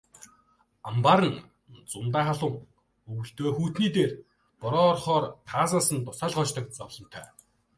Амбаар нь зундаа халуун, өвөлдөө хүйтний дээр бороо орохоор таазнаас нь дусаал гоождог зовлонтой.